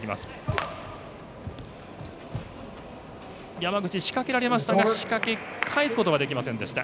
山口仕掛けられましたが仕掛け返すことができませんでした。